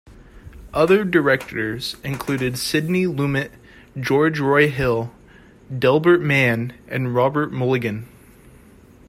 Other directors included Sidney Lumet, George Roy Hill, Delbert Mann, and Robert Mulligan.